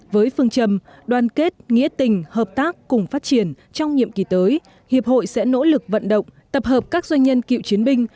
với phương trầm đoàn kết nghĩa tình hợp tác cùng phát triển trong nhiệm kỳ tới hiệp hội sẽ nỗ lực vận động tập hợp các doanh nhân cựu chiến binh